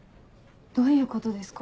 どういうことですか？